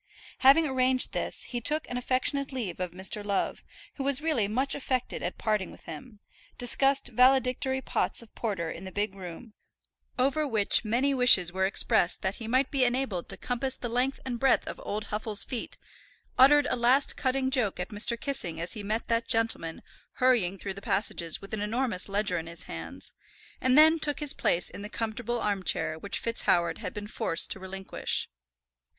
Having arranged this he took an affectionate leave of Mr. Love, who was really much affected at parting with him, discussed valedictory pots of porter in the big room, over which many wishes were expressed that he might be enabled to compass the length and breadth of old Huffle's feet, uttered a last cutting joke at Mr. Kissing as he met that gentleman hurrying through the passages with an enormous ledger in his hands, and then took his place in the comfortable arm chair which FitzHoward had been forced to relinquish.